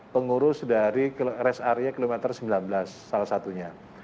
pengurus dari rest area kilometer sembilan belas salah satunya